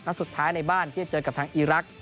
สุดท้ายในบ้านที่จะเจอกับทางอีรักษ